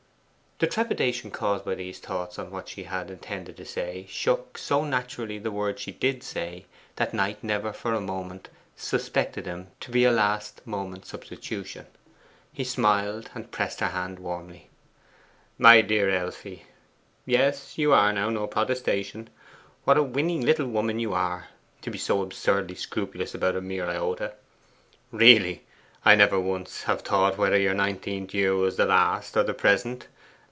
The trepidation caused by these thoughts on what she had intended to say shook so naturally the words she did say, that Knight never for a moment suspected them to be a last moment's substitution. He smiled and pressed her hand warmly. 'My dear Elfie yes, you are now no protestation what a winning little woman you are, to be so absurdly scrupulous about a mere iota! Really, I never once have thought whether your nineteenth year was the last or the present.